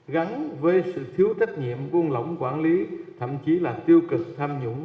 gắn với sự thiếu trách nhiệm buôn lỏng quản lý thậm chí là tiêu cực tham nhũng